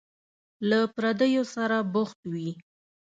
له پردیو سره بوخت وي.